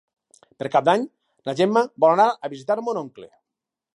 Per Cap d'Any na Gemma vol anar a visitar mon oncle.